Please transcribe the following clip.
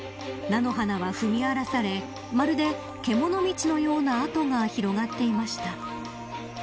菜の花は、踏み荒らされまるで獣道のような跡が広がっていました。